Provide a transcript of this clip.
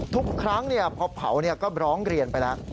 ทุกครั้งพอเผาก็ร้องเรียนไปแล้ว